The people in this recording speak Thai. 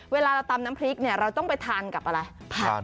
เวลาเราทำน้ำพริกเราต้องไปทานกับอะไร